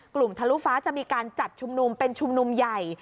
ทะลุฟ้าจะมีการจัดชุมนุมเป็นชุมนุมใหญ่